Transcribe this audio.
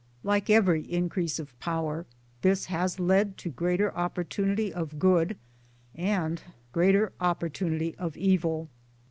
Like every increase of power this has led to greater oppor tunity of good and greater opportunity of evil.